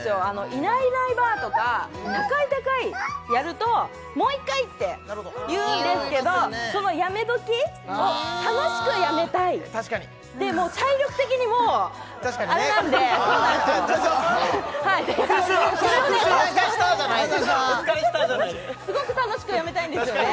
「いないいないばあ」とか「高い高い」やるともう１回って言うんですけどそのやめどきを楽しくやめたい確かに体力的にもうあれなんで確かにねそれをねありがとうございましたすごく楽しくやめたいんですよね